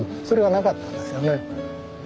それがなかったんですよね。